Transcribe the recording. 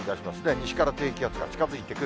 西から低気圧が近づいてくる。